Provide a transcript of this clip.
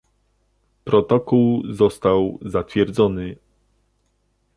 Protokół został zatwierdzony